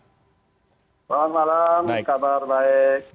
selamat malam kabar baik